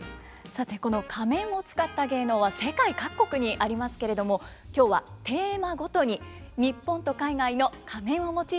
さてこの仮面を使った芸能は世界各国にありますけれども今日はテーマごとに日本と海外の仮面を用いた作品をご紹介します。